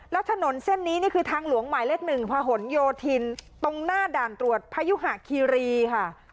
แล้วถนนเส้นนี้นี่คือทางหลวงหมายเลข๑พะหนโยธินตรงหน้าด่านตรวจพยุหะคีรีค่ะ